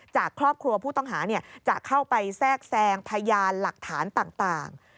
จากครอบครัวผู้ต้องหาจะเข้าไปแทรกแซงพยานหลักฐานต่าง